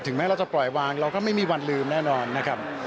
แม้เราจะปล่อยวางเราก็ไม่มีวันลืมแน่นอนนะครับ